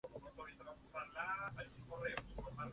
Fue su segunda adaptación de un musical.